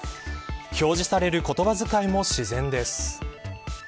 表示される言葉遣いも自然です。